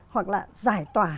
hoặc là giải tỏa